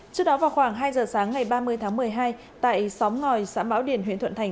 trước đó vào khoảng hai giờ sáng ngày ba mươi tháng một mươi hai tại xóm ngòi xã mão điền huyện thuận thành